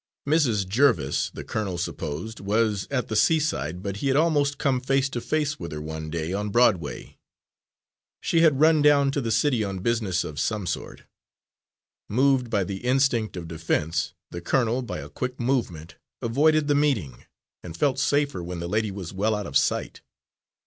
Mrs. Jerviss, the colonel supposed, was at the seaside, but he had almost come face to face with her one day on Broadway. She had run down to the city on business of some sort. Moved by the instinct of defense, the colonel, by a quick movement, avoided the meeting, and felt safer when the lady was well out of sight.